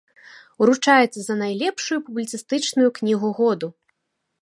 Уручаецца за найлепшую публіцыстычную кнігу году.